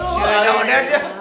si raja oden ya